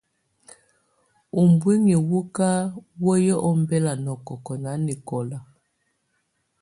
Ubuinyii wù kà wǝ́yi ɔmbɛla nɔkɔkɔ̂ nanɛkɔla.